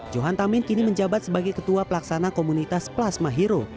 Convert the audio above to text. johan tamin kini menjabat sebagai ketua pelaksana komunitas plasma hero